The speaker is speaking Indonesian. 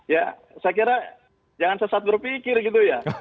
ya saya kira jangan sesat berpikir gitu ya